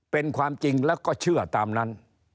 เป็นความจริงแล้วก็เชื่อตามนั้น